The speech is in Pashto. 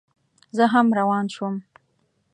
زه هم روان شوم.